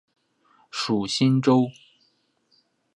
属新州。